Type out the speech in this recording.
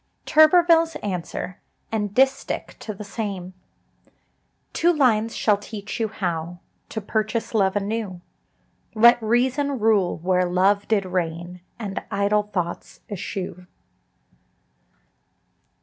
George Turberville. TURBERVILLE'S ANSWER AND DISTICH TO THE SAME. Two lines shall teach you how To purchase love anew: Let reason rule, where Love did reign, And idle thoughts eschew.